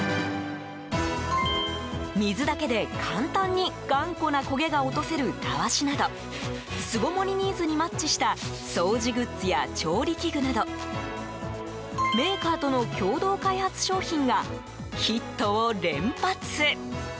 水だけで簡単に頑固な焦げが落とせるたわしなど巣ごもりニーズにマッチした掃除グッズや調理器具などメーカーとの共同開発商品がヒットを連発！